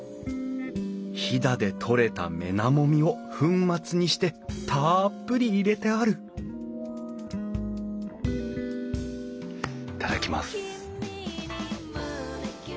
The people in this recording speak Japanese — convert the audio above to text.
飛騨で採れたメナモミを粉末にしてたっぷり入れてある頂きます。